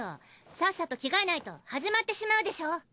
さっさと着替えないと始まってしまうでしょ？